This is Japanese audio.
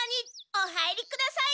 お入りください！